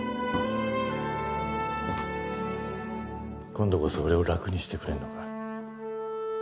今度こそ俺を楽にしてくれるのか？